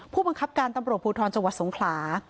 ผู้บังคับการตำรวจภูทรจังหวัดสงขลา